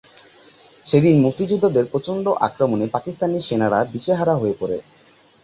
সেদিন মুক্তিযোদ্ধাদের প্রচণ্ড আক্রমণে পাকিস্তানি সেনারা দিশেহারা হয়ে পড়ে।